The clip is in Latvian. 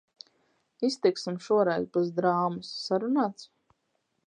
Iztiksim šoreiz bez drāmas, sarunāts?